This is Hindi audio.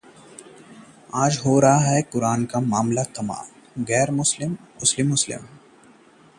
जानिए राष्ट्रपति चुनाव से जुड़ी कुछ दिलचस्प जानकारियां